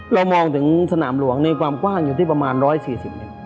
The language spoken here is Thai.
เรามองถึงสนามหลวงในความกว้างอยู่ที่ประมาณ๑๔๐เมตร